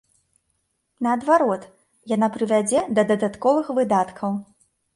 Наадварот, яна прывядзе да дадатковых выдаткаў.